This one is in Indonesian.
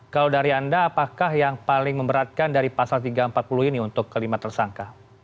kalau dari anda apakah yang paling memberatkan dari pasal tiga ratus empat puluh ini untuk kelima tersangka